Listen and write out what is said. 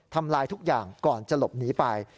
ทำลายทุกอย่างก่อนจะหลบหนีไป